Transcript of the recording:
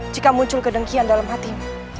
jika muncul kedengkian dalam hatimu